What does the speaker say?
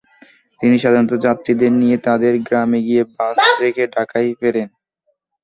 তিনি সাধারণত যাত্রীদের নিয়ে তাদের গ্রামে গিয়ে বাস রেখে ঢাকায় ফেরেন।